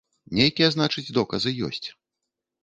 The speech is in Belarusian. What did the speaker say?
Нейкія, значыць, доказы ёсць.